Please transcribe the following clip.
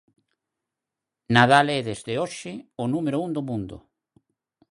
Nadal é desde hoxe o número un do mundo.